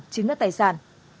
chính các tài sản